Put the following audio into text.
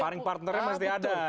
sparring partnernya pasti ada